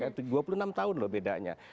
itu dua puluh enam tahun loh bedanya